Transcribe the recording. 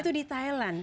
itu di thailand